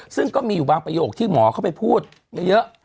ซึ่งก็มีอยู่บางประโยคที่หมอเข้าไปพูดเยอะ